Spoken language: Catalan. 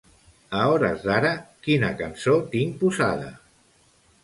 A hores d'ara quina cançó tinc posada?